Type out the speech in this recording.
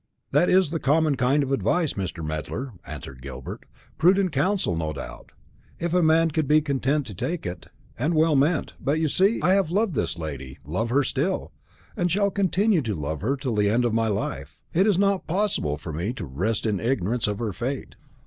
"That is the common kind of advice, Mr. Medler," answered Gilbert. "Prudent counsel, no doubt, if a man could be content to take it, and well meant; but, you see, I have loved this lady, love her still, and shall continue so to love her till the end of my life. It is not possible for me to rest in ignorance of her fate."